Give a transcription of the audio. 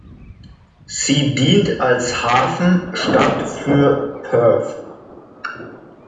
Sie dient als Hafenstadt für Perth.